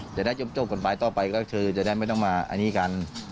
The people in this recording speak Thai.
จะได้จบกฎหมายต่อไปก็คือจะได้ไม่ต้องมาอันนี้กัน